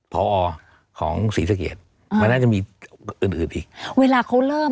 ต้องสุดใช่ไหม